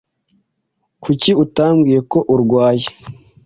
Kuki utambwiye ko urwaye?